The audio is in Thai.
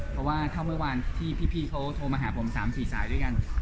เพราะว่าเท่าเมื่อวานที่พี่เขาโทรมาหาผม๓๔สายด้วยกัน